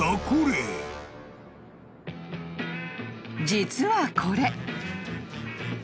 ［実はこれ］